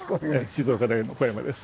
静岡大の小山です。